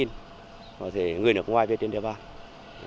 có thể người nước ngoài về trên địa bàn